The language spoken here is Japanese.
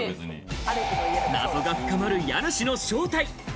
謎が深まる家主の正体。